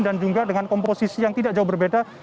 dan juga dengan komposisi yang tidak jauh berbeda